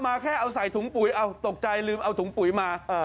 แค่เอาใส่ถุงปุ๋ยเอาตกใจลืมเอาถุงปุ๋ยมา